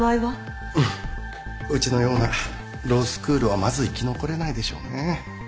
うちのようなロースクールはまず生き残れないでしょうね。